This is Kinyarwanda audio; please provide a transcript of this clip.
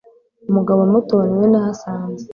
umugabo muto niwe nahasanze